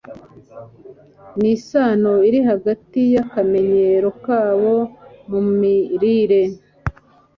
nisano iri hagati yakamenyero kabo mu mirire